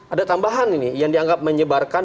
ada tambahan ini yang dianggap menyebarkan